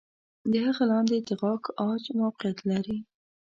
د هغه لاندې د غاښ عاج موقعیت لري.